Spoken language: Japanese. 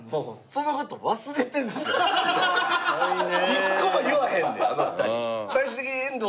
一個も言わへんねんあの２人。